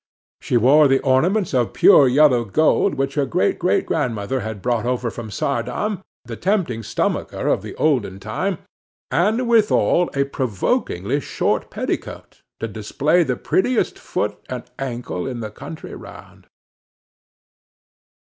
She wore the ornaments of pure yellow gold, which her great great grandmother had brought over from Saardam; the tempting stomacher of the olden time, and withal a provokingly short petticoat, to display the prettiest foot and ankle in the country round.